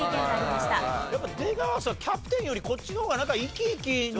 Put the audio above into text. やっぱ出川さんキャプテンよりこっちの方が生き生き。